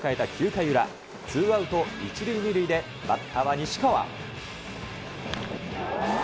９回裏、ツーアウト１塁２塁でバッターは西川。